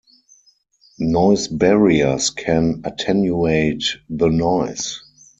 Noise barriers can attenuate the noise.